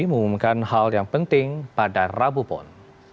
mengumumkan hal yang penting pada rabupon